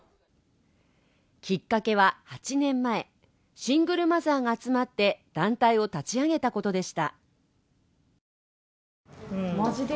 きっかけは８年前、シングルマザーが集まって団体を立ち上げたことでした。